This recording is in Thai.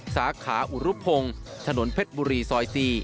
สาขาอุรุพงศ์ถนนเพชรบุรีซอย๔